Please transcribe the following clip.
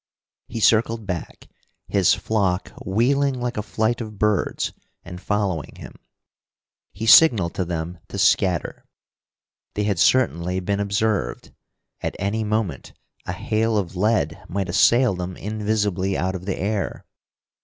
He circled back, his flock wheeling like a flight of birds and following him. He signaled to them to scatter. They had certainly been observed; at any moment a hail of lead might assail them invisibly out of the air.